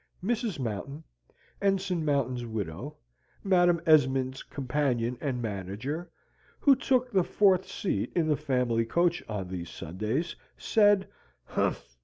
Mrs. Mountain, Ensign Mountain's widow, Madam Esmond's companion and manager, who took the fourth seat in the family coach on these Sundays, said, "Humph!